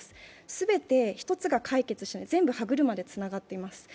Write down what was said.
全て１つが解決しない、全て歯車でつながっています。